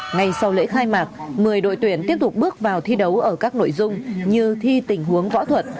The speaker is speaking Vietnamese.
ngay sau lễ khai mạc một mươi đội tuyển tiếp tục bước vào thi đấu ở các nội dung như thi tình huống võ thuật